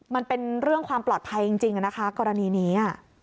มันเป็นเรื่องความปลอดภัยจริงนะคะกรณีนี้